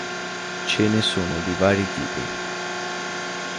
Ce ne sono di vari tipi.